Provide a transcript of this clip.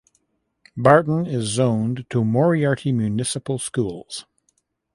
Barton is zoned to Moriarty Municipal Schools.